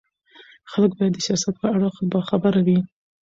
خلک باید د سیاست په اړه باخبره وي